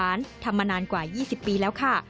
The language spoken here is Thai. สัตว์ส่วนพึ่งหวานทำมานานกว่า๒๐ปีแล้วค่ะ